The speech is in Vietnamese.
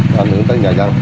nó nướng tới nhà dân